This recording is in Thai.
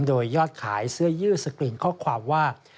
โดยยอดขายเสื้อยืดสกรีนข้อความว่า